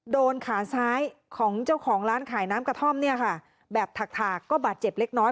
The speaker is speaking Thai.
โดนขาซ้ายของเจ้าของร้านขายน้ำกระท่อมเนี่ยค่ะแบบถากถากก็บาดเจ็บเล็กน้อย